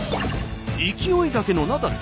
勢いだけのナダル。